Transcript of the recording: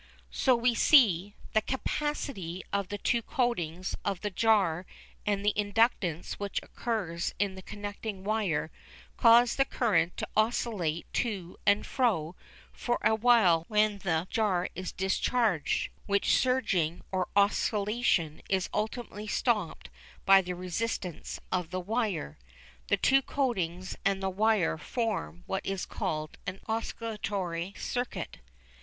So, we see, the "capacity" of the two coatings of the jar and the inductance which occurs in the connecting wire cause the current to oscillate to and fro for a while when the jar is discharged, which surging or oscillation is ultimately stopped by the resistance of the wire. The two coatings and the wire form what is called an oscillatory circuit.